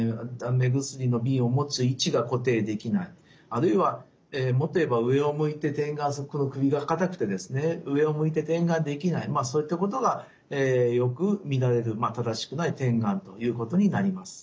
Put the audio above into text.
あるいは持てば上を向いて点眼するこの首が硬くてですね上を向いて点眼できないそういったことがよく見られる正しくない点眼ということになります。